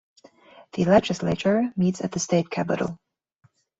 The Legislature meets at the State Capitol.